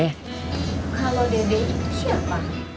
kalau dede itu siapa